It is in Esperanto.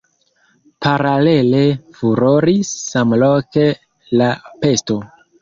Paralele furoris samloke la pesto.